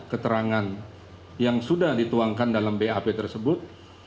keterangan yang sudah dituangkan dalam bap tersebut